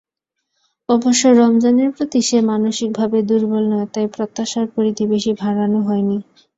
অবশ্য রমজানের প্রতি সে মানসিকভাবে দুর্বল নয়, তাই প্রত্যাশার পরিধি বেশি বাড়ানো হয়নি।